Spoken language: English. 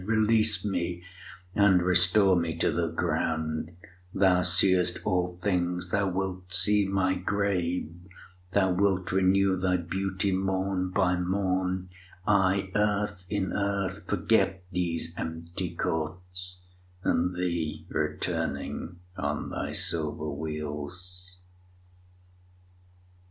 Release me, and restore me to the ground; Thou seest all things, thou wilt see my grave: Thou wilt renew thy beauty morn by morn; I earth in earth forget these empty courts, And thee returning on thy silver wheels.